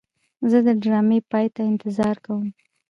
زه د ډرامې پای ته انتظار کوم.